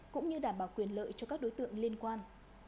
cũng như đảm bảo quyền lợi cho các đối tượng liên quan